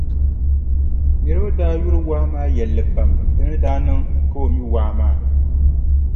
Niriba daa yuri wahu maa yɛlli pam di ni daa niŋ ka o mi waa maa.